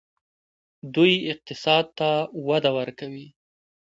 دوی اقتصاد ته وده ورکوي.